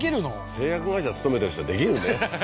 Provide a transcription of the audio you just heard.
製薬会社勤めてる人はできるねははは